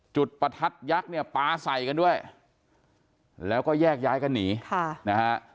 ประทัดยักษ์เนี่ยปลาใส่กันด้วยแล้วก็แยกย้ายกันหนีค่ะนะฮะ